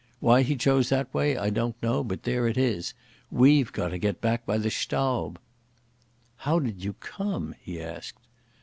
Why he chose that way I don't know, but there it is. We've got to get back by the Staub." "How did you come?" he asked.